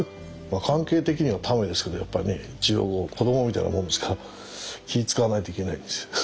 関係的にはタメですけどやっぱね一応子供みたいなもんですから気ぃ遣わないといけないんですよ。